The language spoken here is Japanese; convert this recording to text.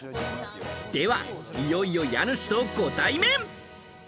では、いよいよ家主とご対面。